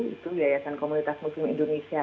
itu yayasan komunitas muslim indonesia